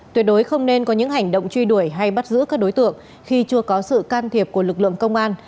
tuyệt đối không nên có những hành động truy đuổi hay bắt giữ các đối tượng khi chưa có sự can thiệp của lực lượng công an